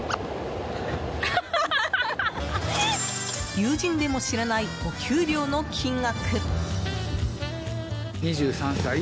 友人でも知らないお給料の金額。